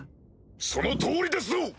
その通りですぞ！